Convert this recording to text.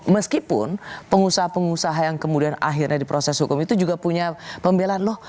meskipun pengusaha pengusaha yang kemudian akhirnya diproses hukum itu juga punya pembelaan loh